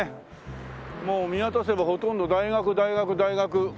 もう見渡せばほとんど大学大学大学。